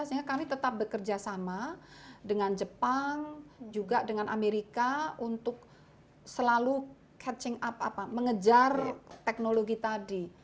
sehingga kami tetap bekerja sama dengan jepang juga dengan amerika untuk selalu catching up mengejar teknologi tadi